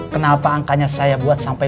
kenapa angkanya saya buat sampai dua belas